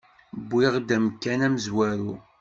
Wwiɣ-d amkan amezwaru.